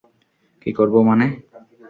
কি করবো মানে?